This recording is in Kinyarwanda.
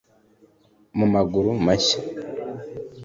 mu maguru mashya